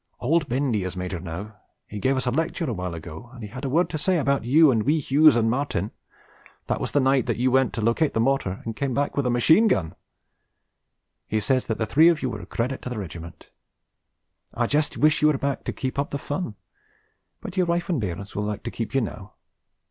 Old Bendy is major now, he gave us a lecture a while ago and he had a word to say about you and wee Hughes and Martin, that was the night that you went to locate the mortar and came in with the machine gun. He says the three of you were a credit to the regiment. I just wish you were back to keep up the fun, but your wife and bairns will like to keep you now.